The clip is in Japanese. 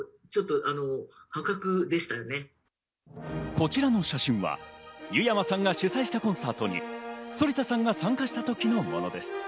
こちらの写真は湯山さんが主催したコンサートに反田さんが参加した時のものです。